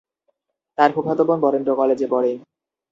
তার ফুফাতো বোন বরেন্দ্র কলেজে পড়ে।